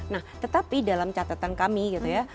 nah tetapi dalam catatan kami gitu ya